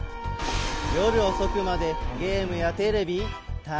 よるおそくまでゲームやテレビたのしいギラ。